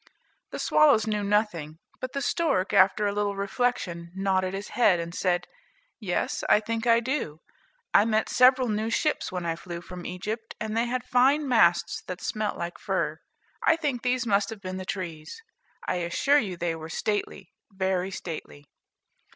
The swallows knew nothing, but the stork, after a little reflection, nodded his head, and said, "Yes, I think I do. I met several new ships when I flew from Egypt, and they had fine masts that smelt like fir. I think these must have been the trees; I assure you they were stately, very stately."